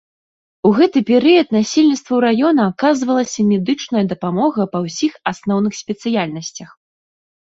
У гэты перыяд насельніцтву раёна аказвалася медычная дапамога па ўсіх асноўных спецыяльнасцях.